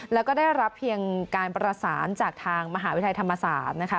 แล้วก็ได้รับเพียงการประสานจากทางมหาวิทยาลัยธรรมศาสตร์นะคะ